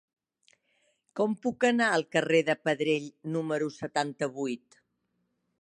Com puc anar al carrer de Pedrell número setanta-vuit?